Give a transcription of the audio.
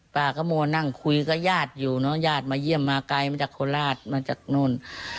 ปากมวนนั่งคุยกับญาติอยู่ญาติมาเยี่ยมมากายมาจากโคลาสมาจากโน่น